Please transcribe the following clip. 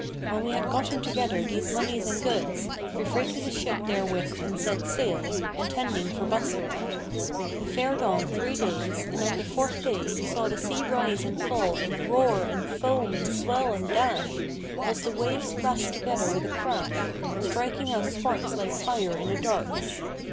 When we had gotten together these monies and goods, we freighted a ship therewith and set sail, intending for Bassorah. We fared on three days and on the fourth day we saw the sea rise and fall and roar and foam and swell and dash, whilst the waves clashed together with a crash, striking out sparks like fire[FN#497] in the darks.